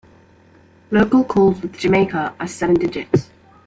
Local calls within Jamaica are seven digits.